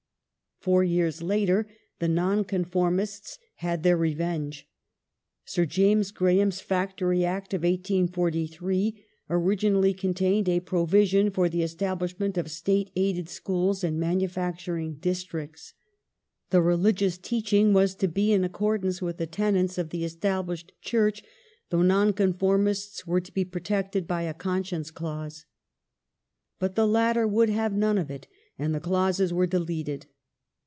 Four years later the Nonconformists had their re venge. Sir James Graham's Factory Act of 1843 originally con tained a provision for the establishment of State aided schools in manufacturing districts. The religious teaching was to be in accordance with the tenets of the Established Church, though Nonconformists were to be protected by a conscience clause. But the latter would have none of it, and the clauses were deleted.